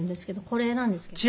これなんですけど。